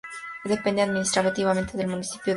Depende administrativa del municipio de Avellaneda.